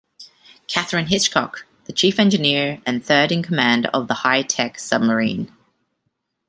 Katherine Hitchcock, the chief engineer, and third in command of the high-tech submarine.